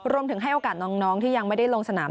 ให้โอกาสน้องที่ยังไม่ได้ลงสนาม